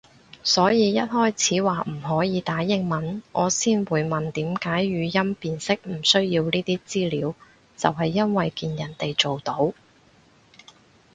所以一開始話唔可以打英文，我先會問點解語音辨識唔需要呢啲資料就係因為見人哋做到